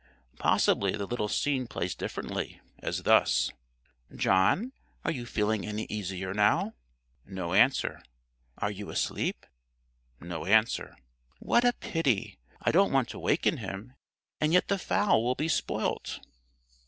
Possibly the little scene plays differently, as thus: "John, are you feeling any easier now?" No answer. "Are you asleep?" No answer. "What a pity! I don't want to waken him, and yet the fowl will be spoilt."